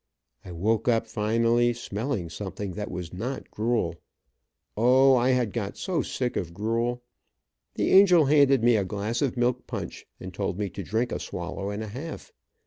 I woke up finally smelling something that was not gruel. O, I had got so sick of gruel. The angel handed me a glass of milk punch, and told me to drink a swallow and a half.